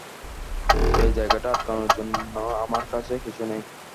এ জায়গাটা আটকানোর জন্য আমার কাছে কিছু নেই।